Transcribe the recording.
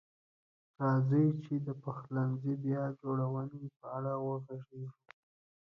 راځئ چې د پخلنځي بیا جوړونې په اړه وغږیږو.